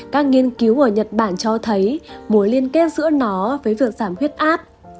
các nghiên cứu ở nhật bản cho thấy mối liên kết giữa nó với việc giảm huyết áp